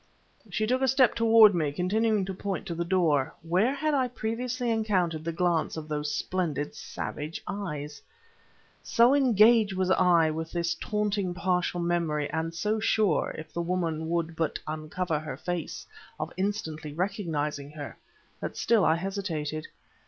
She took a step towards me, continuing to point to the door. Where had I previously encountered the glance of those splendid, savage eyes? So engaged was I with this taunting, partial memory, and so sure, if the woman would but uncover her face, of instantly recognizing her, that still I hesitated.